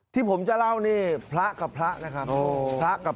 ที่ผมจะเล่านี่พระกับพระนะครับพระกับ